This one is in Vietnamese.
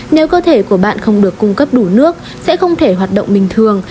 nếu cơ thể của bạn không được cung cấp đủ nước sẽ không thể hoạt động bình thường